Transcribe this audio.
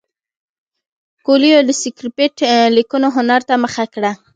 کویلیو د سکرېپټ لیکلو هنر ته مخه کړه.